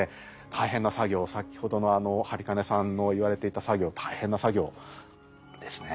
大変な作業を先ほどの播金さんの言われていた作業大変な作業ですね。